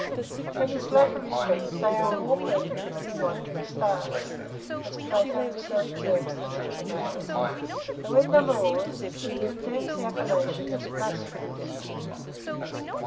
In this latter respect they are more perfect than the wandering stars, as Plato himself terms them in the Timaeus, although in the Laws he condemns the appellation as blasphemous.